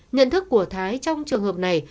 nhận thức của thái trong trường hợp này